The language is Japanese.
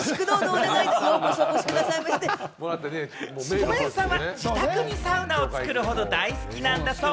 小林さんは自宅にサウナを作るほど、大好きなんだそう。